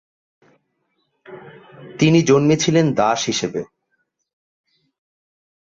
তিনি জন্মেছিলেন দাস হিসেবে।